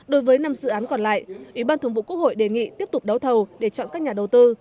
đối với năm dự án còn lại ủy ban thường vụ quốc hội đề nghị tiếp tục đấu thầu để chọn các nhà đầu tư